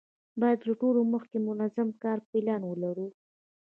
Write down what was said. باید له ټولو مخکې منظم کاري پلان ولرو.